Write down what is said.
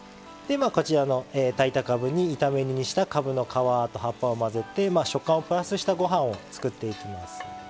こちらの炊いたかぶに炒め煮にしたかぶの皮と葉っぱを混ぜて食感をプラスしたご飯を作っていきます。